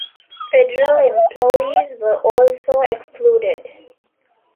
Federal employees were also excluded.